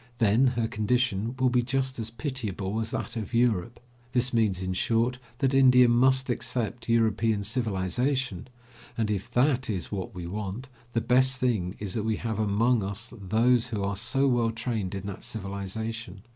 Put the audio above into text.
Then her condition will be just as pitiable as that of Europe. This means, in short, that India must accept European civilization, and if that is what we want, the best thing is that we have among us those who are so well trained in that civilization.